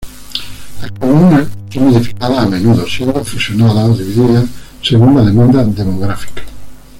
Las comunas son modificadas a menudo, siendo fusionadas o divididas según la demanda demográfica.